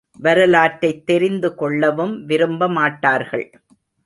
வரலாற்றைத் தெரிந்து கொள்ளவும் விரும்பமாட்டார்கள்.